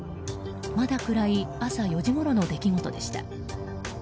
まだ暗い朝４時ごろの出来事でした。